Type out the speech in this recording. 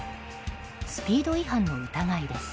スピード違反の疑いです。